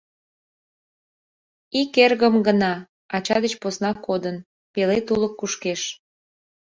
— Ик эргым гына, ача деч посна кодын, пеле тулык кушкеш.